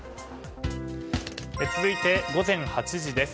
続いて午前８時です。